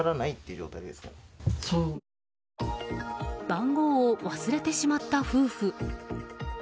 番号を忘れてしまった夫婦。